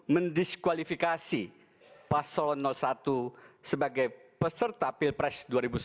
mendiskualifikasi paslon satu sebagai peserta pilpres dua ribu sembilan belas